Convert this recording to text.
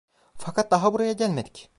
Fakat daha buraya gelmedik.